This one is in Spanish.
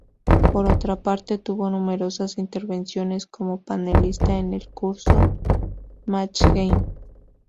Por otra parte, tuvo numerosas intervenciones como panelista en el concurso "Match Game".